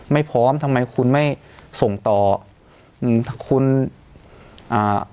ไม่พร้อมทำไมคุณไม่ส่งต่ออืมถ้าคุณอ่า